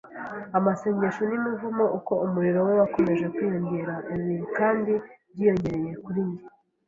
amasengesho n'imivumo uko umuriro we wakomeje kwiyongera. Ibi kandi byiyongereye kuri njye